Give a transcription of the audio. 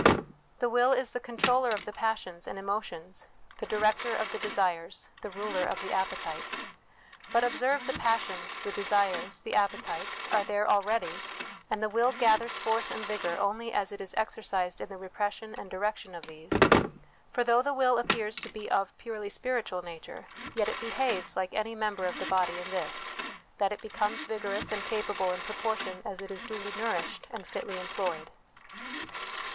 The will is the controller of the passions and emotions, the director of the desires, the ruler of the appetites. But observe, the passions, the desires, the appetites, are there already, and the will gathers force and vigour only as it is exercised in the repression and direction of these ; for though the will appears to be of purely spiritual nature, yet it behaves like any member of the body in this that it becomes vigorous and capable in proportion as it is duly nourished and fitly employed.